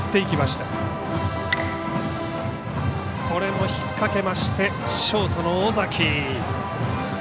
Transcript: これも引っかけましてショートの尾崎。